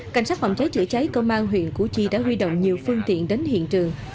cảnh sát phòng cháy chữa cháy công an huyện củ chi đã huy động nhiều phương tiện đến hiện trường